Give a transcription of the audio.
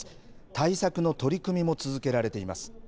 対策の取り組みも続けられています。